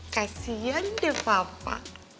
kasian deh papa